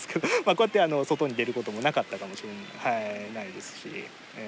こうやって外に出ることもなかったかもしれないですし。